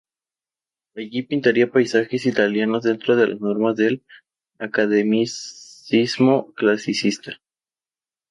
Allí pintaría paisajes italianos dentro de las normas del academicismo clasicista.